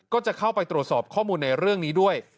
ก็จะเข้าไปตรวจสอบข้อมูลในเรื่องนี้ด้วย